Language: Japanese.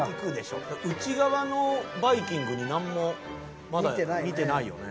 内側のバイキングになんもまだ見てないよね。